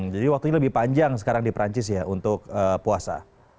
jadi waktunya lebih panjang sekarang di perancis ya untuk puasa